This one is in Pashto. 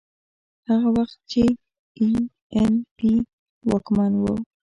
هغه وخت چې اي این پي واکمن و.